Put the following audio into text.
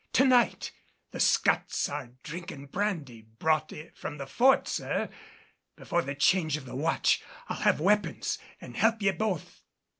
To night! The scuts are drinking brandy brought from the Fort, sir. Before the change of the watch, I'll have weapons an' help ye both.